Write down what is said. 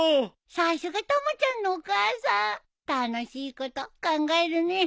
さすがたまちゃんのお母さん楽しいこと考えるね。